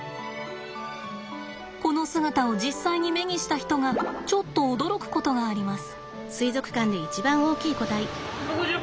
この姿を実際に目にした人がちょっと驚くことがあります。